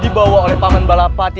dibawa oleh pangan balapati